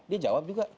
dia jawab juga